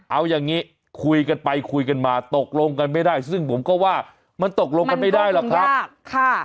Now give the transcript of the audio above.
เอาอย่างนี้คุยกันไปคุยกันมาตกลงกันไม่ได้ซึ่งผมก็ว่ามันตกลงกันไม่ได้หรอกครับ